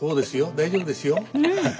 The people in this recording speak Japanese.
大丈夫ですよ。